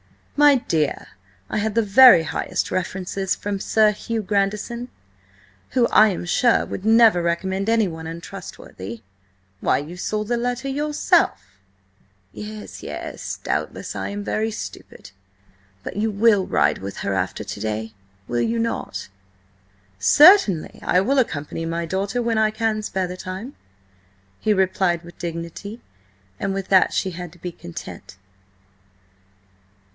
"My dear! I had the very highest references from Sir Hugh Grandison, who, I am sure, would never recommend anyone untrustworthy. Why, you saw the letter yourself!" "Yes, yes. Doubtless I am very stupid. But you will ride with her after to day, will you not?" "Certainly I will accompany my daughter when I can spare the time," he replied with dignity, and with that she had to be content.